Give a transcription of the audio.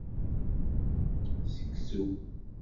Seksu.